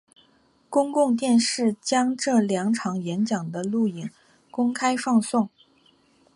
公共电视将这两场演讲的录影公开放送。